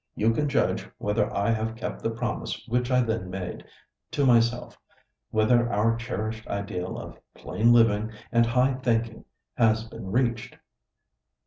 You can judge whether I have kept the promise which I then made to myself, whether our cherished ideal of 'plain living and high thinking' has been reached."